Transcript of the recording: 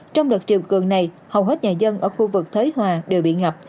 trong đợt triệu cường này hầu hết nhà dân ở khu vực thế hòa đều bị ngập